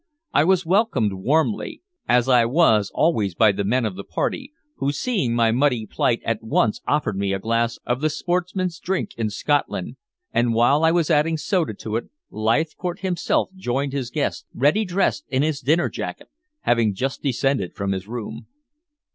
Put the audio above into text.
I was welcomed warmly, as I was always by the men of the party, who seeing my muddy plight at once offered me a glass of the sportsman's drink in Scotland, and while I was adding soda to it Leithcourt himself joined his guests, ready dressed in his dinner jacket, having just descended from his room.